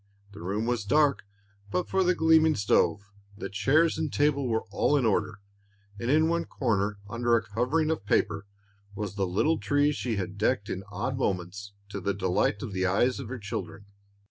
The room was dark but for the gleaming stove, the chairs and table were all in order, and in one corner, under a covering of paper, was the little tree she had decked in odd moments to delight the eyes of her children.